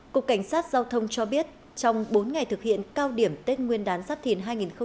cục cảnh sát giao thông cho biết trong bốn ngày thực hiện cao điểm tết nguyên đán giáp thìn hai nghìn hai mươi bốn